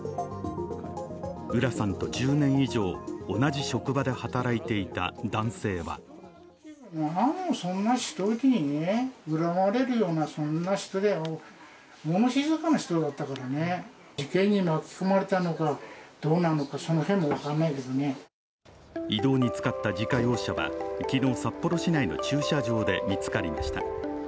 浦さんと１０年以上同じ職場で働いていた男性は移動に使った自家用車は昨日札幌市内の駐車場で見つかりました。